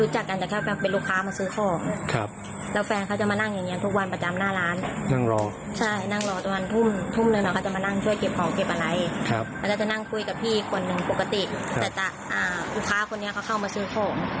เหมือนกับว่าเขาแบบยังไงมองไม่ถูก